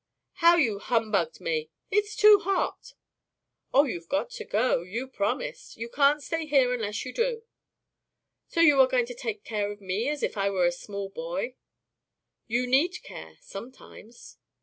"How you've humbugged me! It's too hot." "Oh, you've got to do it; you promised. You can't stay here unless you do." "So you are going to take care of me as if I were a small boy?" "You need care sometimes."